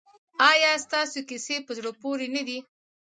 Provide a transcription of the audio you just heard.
ایا ستاسو کیسې په زړه پورې نه دي؟